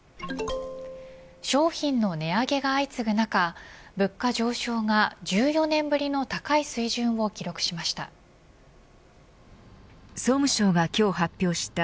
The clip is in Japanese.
商品の値上げが相次ぐ中物価上昇が１４年ぶりの高い水準を記録しました。